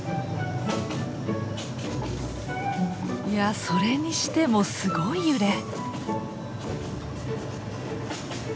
いやそれにしてもすごい揺れ。